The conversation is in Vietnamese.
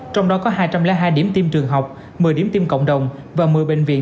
trong đó có hai trăm linh hai điểm tiêm trường học một mươi điểm tiêm cộng đồng và một mươi bệnh viện